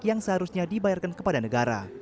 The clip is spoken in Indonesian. yang seharusnya dibayarkan kepada negara